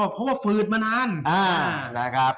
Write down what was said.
เพราะว่าเฟืดมานาน